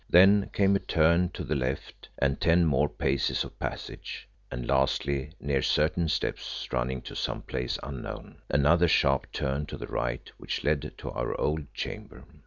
Then came a turn to the left, and ten more paces of passage, and lastly near certain steps running to some place unknown, another sharp turn to the right which led to our old chamber.